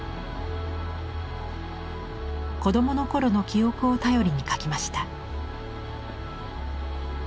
子供の頃の記憶を頼りに描きました。